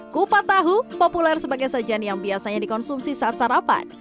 kupat tahu populer sebagai sajian yang biasanya dikonsumsi saat sarapan